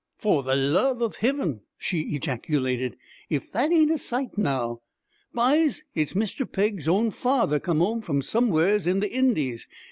'For th' love of Hiven!' she ejaculated. 'If that ain't a sight now! Byes, it's Mr. Pegg's own father come home from somewheres in th' Indies.